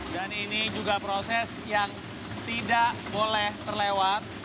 dan ini juga proses yang tidak boleh terlewat